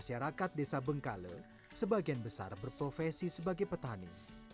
masyarakat desa bengkale sebagian besar berprofesi sebagai petani